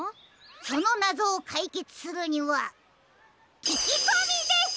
そのなぞをかいけつするにはききこみです！